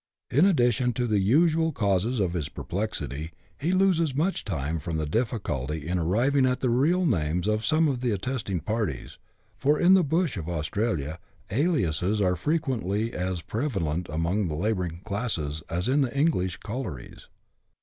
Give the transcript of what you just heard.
In addition to the usual causes of his perplexity, he loses much time from the difficulty in arriving at the real names of some of the attesting parties, for, in the bush of Austrailisi,' aliases are fre quently as prevalent among the labouring classes as in the English collieries.